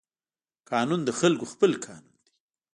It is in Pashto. قانون د خلقو خپل قانون دى.